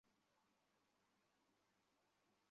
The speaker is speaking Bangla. শওকত আব্বাস খাঁন, আপনার জন্য কাজ করে?